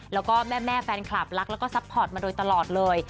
แล้วก็แม่แฟนคลับรักแล้วก็ซัพพอร์ตมาโดยตลอดเลย